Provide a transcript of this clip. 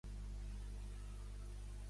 El vint-i-nou de febrer en Pep irà a Campos.